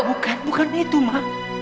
bukan bukan itu ma